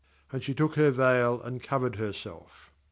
And she took her veil, and covered herself.